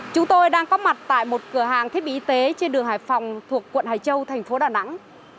chúng tôi đang có mặt tại một cửa hàng thiết bị y tế trên đường hải phòng thuộc quận hải châu thành phố đà nẵng